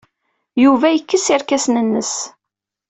Yuba yekkes irkasen-nnes.